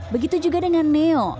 begitu juga dengan neo